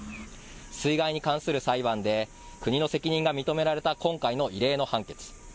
水害に関する裁判で国の責任が認められた今回の異例の判決。